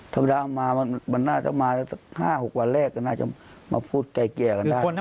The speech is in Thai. ธรรมดามามันน่าจะมา๕๖วันแรกก็น่าจะมาพูดไกลเกลี่ยกันได้